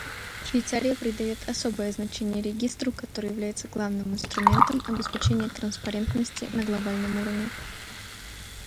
Швейцария придает особое значение Регистру, который является главным инструментом обеспечения транспарентности на глобальном уровне.